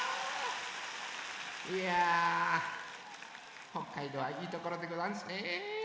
いや北海道はいいところでござんすねえ。